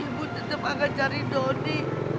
ibu tetap akan cari doni